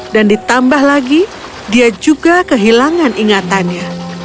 dan ditambah lagi dia juga kehilangan ingatannya